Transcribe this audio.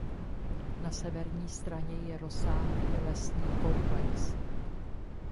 Na severní straně je rozsáhlý lesní komplex.